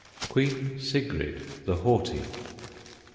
QUEEN SIGRID THE HAUGHTY.